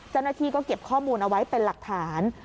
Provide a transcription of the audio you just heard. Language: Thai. เจ้าหน้าที่ก็เก็บข้อมูลเอาไว้เป็นหลักฐาน